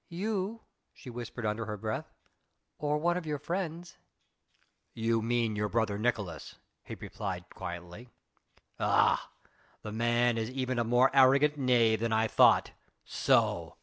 "You," she whispered under her breath, "or one of your friends." "You mean your brother Nicolaes," he rejoined quietly. "Ah! the man is even a more arrant knave than I thought. So!